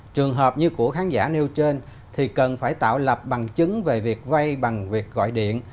trường hợp như của khán giả nêu trên thì cần phải tạo lập bằng chứng về việc vay bằng việc gọi điện